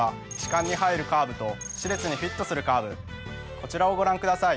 こちらをご覧ください